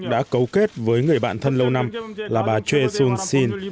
đã cấu kết với người bạn thân lâu năm là bà choi soon sin